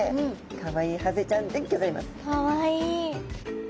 かわいい。